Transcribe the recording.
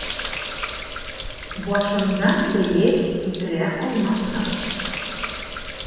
Башыңдан бейек һикерә алмаҫһың.